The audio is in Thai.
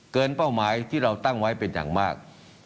เป้าหมายที่เราตั้งไว้เป็นอย่างมาก